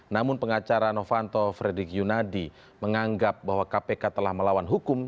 namun pengacara novanto fredrik yunadi menganggap bahwa kpk telah melawan hukum